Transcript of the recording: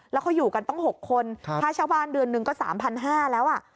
แล้วเขาอยู่กันต้อง๖คนค่าเช่าบ้านเดือนหนึ่งก็๓๕๐๐แล้วอ่ะ